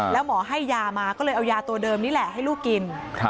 แล้วหมอให้ยามาก็เลยเอายาตัวเดิมนี่แหละให้ลูกกิน